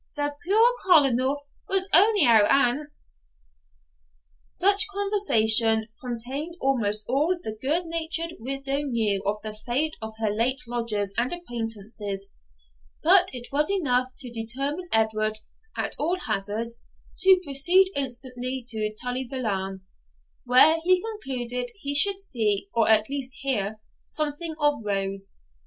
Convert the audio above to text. The puir Colonel was only out ance.' Such conversation contained almost all the good natured widow knew of the fate of her late lodgers and acquaintances; but it was enough to determine Edward, at all hazards, to proceed instantly to Tully Veolan, where he concluded he should see, or at least hear, something of Rose.